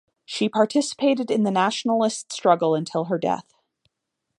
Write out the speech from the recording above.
She participated in the nationalist struggle until her death.